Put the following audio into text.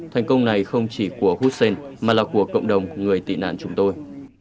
thành công này không chỉ của hussen mà là của cộng đồng người tị nạn chúng tôi